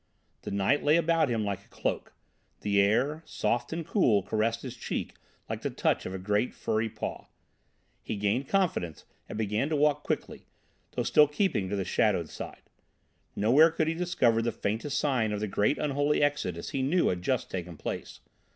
The night lay about him like a cloak. The air, soft and cool, caressed his cheek like the touch of a great furry paw. He gained confidence and began to walk quickly, though still keeping to the shadowed side. Nowhere could he discover the faintest sign of the great unholy exodus he knew had just taken place.